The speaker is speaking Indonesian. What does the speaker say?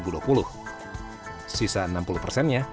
kita akan mencari tagihan listrik yang lebih tinggi